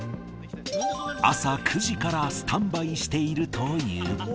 朝９時からスタンバイしているという。